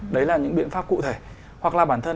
đấy là những biện pháp cụ thể